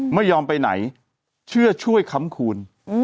ไม่ยอมไปไหนเชื่อช่วยค้ำคูณ